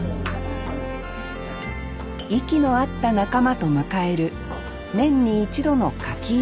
息の合った仲間と迎える年に一度の書き入れ時です